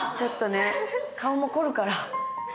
顔も凝るから。